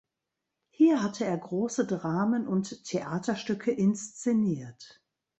Hier hatte er große Dramen und Theaterstücke inszeniert.